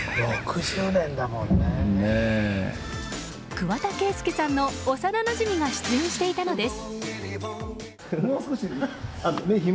桑田佳祐さんの幼なじみが出演していたのです。